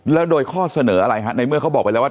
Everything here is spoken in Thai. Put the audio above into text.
แล้วโดยข้อเสนออะไรฮะในเมื่อเขาบอกไปแล้วว่า